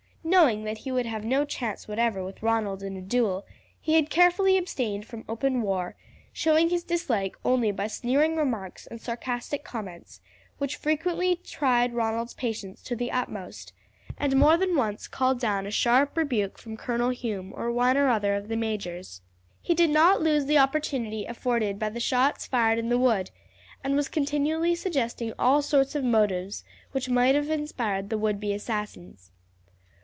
Knowing that he would have no chance whatever with Ronald in a duel, he had carefully abstained from open war, showing his dislike only by sneering remarks and sarcastic comments which frequently tried Ronald's patience to the utmost, and more than once called down a sharp rebuke from Colonel Hume or one or other of the majors. He did not lose the opportunity afforded by the shots fired in the wood, and was continually suggesting all sorts of motives which might have inspired the would be assassins.